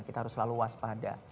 kita harus selalu waspada